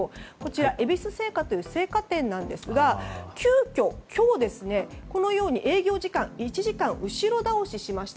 恵比寿青果という青果店なんですが急きょ、今日、営業時間を１時間後ろ倒ししました。